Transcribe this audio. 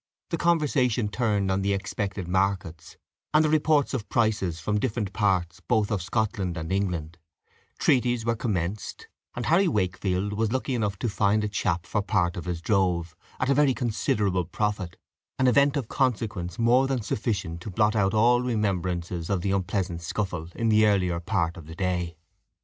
The conversation turned on the expected markets, and the reports of prices from different parts both of Scotland and England; treaties were commenced, and Harry Wakefield was lucky enough to find a chap for a part of his drove, and at a very considerable profit an event of consequence more than sufficient to blot out all remembrances of the unpleasant scuffle in the earlier part of the day.